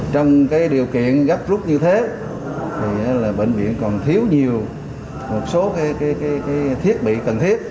trong điều kiện gấp lúc như thế bệnh viện còn thiếu nhiều một số thiết bị cần thiết